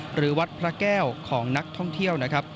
หรือวัดพระแก้วของนักท่องเที่ยวนะครับ